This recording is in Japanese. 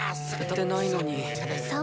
歌ってないのに。